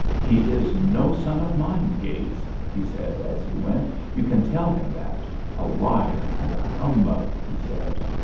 "He is no son of mine, Gates," he said, as he went. "You can tell him that. A liar and a humbug," he said.